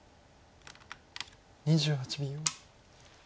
２８秒。